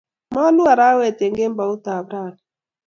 Moluu arawet eng kemboutab rani